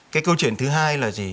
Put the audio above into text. cái câu chuyện thứ hai là gì